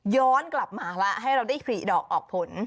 ย้อนกลับมาแล้วให้เราได้ผลิดอกออกผล